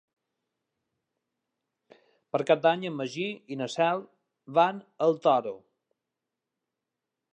Per Cap d'Any en Magí i na Cel van al Toro.